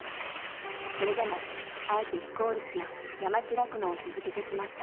それでもあえて非効率な山地酪農を続けてきました。